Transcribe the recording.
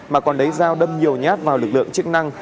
mà còn lấy dao đâm nhiều nhát vào lực lượng chức năng